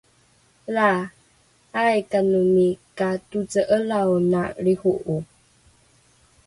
Laa, aikanomi ka toce'elaona lriho'o?